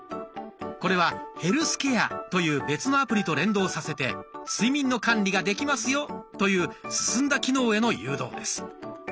これは「ヘルスケア」という別のアプリと連動させて睡眠の管理ができますよという進んだ機能への誘導です。